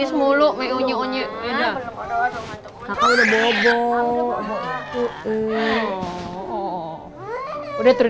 amin ya allah